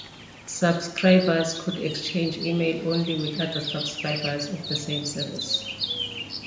Subscribers could exchange email only with other subscribers of the same service.